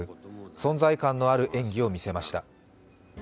存在感のある演技を見せました。